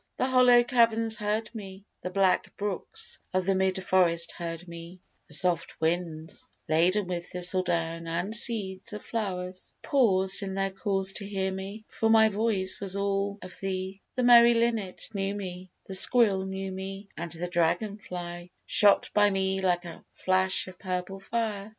The hollow caverns heard me the black brooks Of the mid forest heard me the soft winds, Laden with thistledown and seeds of flowers, Paused in their course to hear me, for my voice Was all of thee: the merry linnet knew me, The squirrel knew me, and the dragon fly Shot by me like a flash of purple fire.